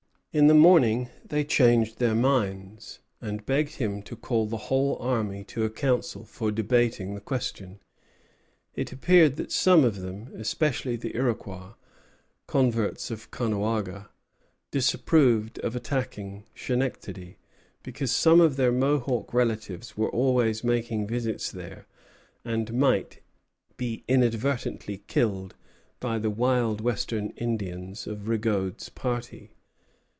In the morning they changed their minds, and begged him to call the whole army to a council for debating the question. It appeared that some of them, especially the Iroquois converts of Caughnawaga, disapproved of attacking Schenectady, because some of their Mohawk relatives were always making visits there, and might be inadvertently killed by the wild Western Indians of Rigaud's party.